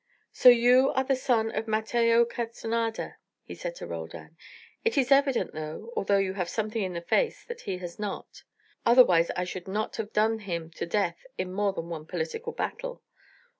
"So you are the son of Mateo Castanada," he said to Roldan. "It is evident enough, although you have something in the face that he has not. Otherwise I should not have done him to death in more than one political battle.